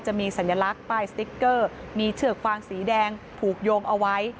จะมีสัญลักษณ์ป้ายสติ๊กเกอร์มีเชือกฟางสีแดงผูกโยงเอาไว้